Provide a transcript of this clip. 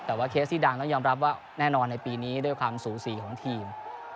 แต่ว่าเคสที่ดังต้องยอมรับว่าแน่นอนในปีนี้ด้วยความสูสีของทีม